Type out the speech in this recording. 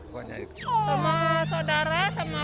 sama saudara sama rombongan